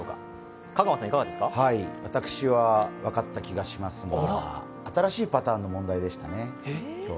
私は分かった気がしますが、新しいパターンの問題でしたね。